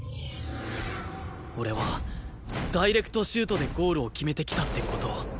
俺はダイレクトシュートでゴールを決めてきたって事を。